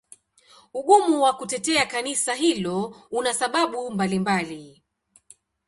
Ugumu wa kutetea Kanisa hilo una sababu mbalimbali.